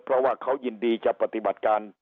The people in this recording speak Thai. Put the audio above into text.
เพราะว่าเขายินดีจะปฏิบัติการ